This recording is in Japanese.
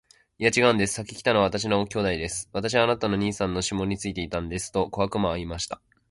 「いや、ちがうんです。先来たのは私の兄弟です。私はあなたの兄さんのシモンについていたんです。」と小悪魔は言いました。